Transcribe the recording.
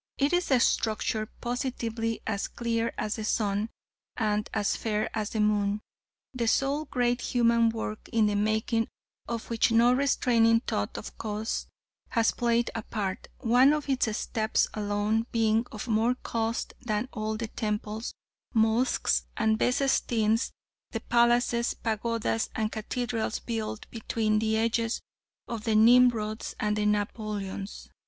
It is a structure positively as clear as the sun, and as fair as the moon the sole great human work in the making of which no restraining thought of cost has played a part: one of its steps alone being of more cost than all the temples, mosques and besestins, the palaces, pagodas and cathedrals, built between the ages of the Nimrods and the Napoleons.